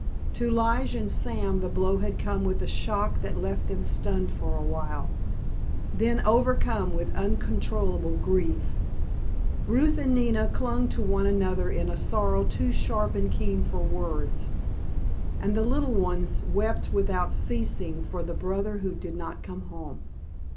To Lige and Sam the blow had come with a shock that left them stunned for a while, then overcome with uncontrollable grief. Ruth and Nina clung to one another in a sorrow too sharp and keen for words, and the little ones wept without ceasing for the brother who did not come home.